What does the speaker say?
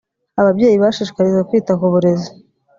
ababyeyi bashishikarijwe kwita ku burezi